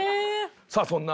「さあそんな」？